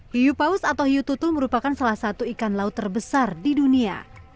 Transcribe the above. hiu paus atau hiu tutul merupakan salah satu ikan laut terbesar di dunia